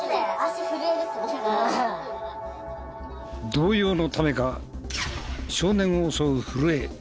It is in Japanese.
動揺のためか少年を襲う震え。